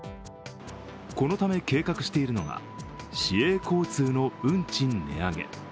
このため計画しているのが市営交通の運賃値上げ。